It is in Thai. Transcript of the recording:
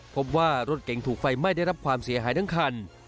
พบว่ารถเก่งถูกไฟไหม้ได้รับความเสียหายทั้งคัน